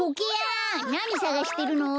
なにさがしてるの？